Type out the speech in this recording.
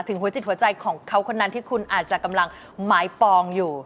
หัวจิตหัวใจของเขาคนนั้นที่คุณอาจจะกำลังหมายปองอยู่